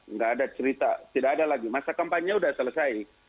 nggak ada cerita tidak ada lagi masa kampanye sudah selesai